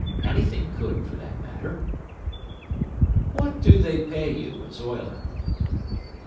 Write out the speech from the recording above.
Anything could, for that matter." "What do they pay you, as oiler?"